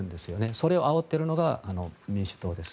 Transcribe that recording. それをあおっているのが民主党です。